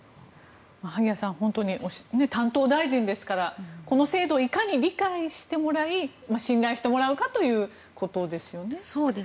萩谷さん担当大臣ですからこの制度をいかに理解してもらい信頼してもらうかということですよね。